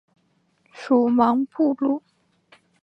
属茫部路。